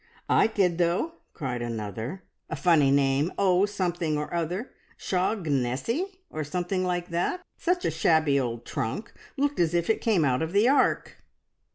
"I did, though!" cried another. "A funny name O something or other. `Shog nessie,' or something like that. Such a shabby old trunk! Looked as if it came out of the Ark."